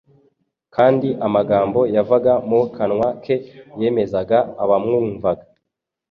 kandi amagambo yavaga mu kanwa ke yemezaga abamwumvaga